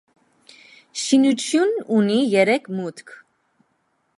Շինությունն ունի երեք մուտք։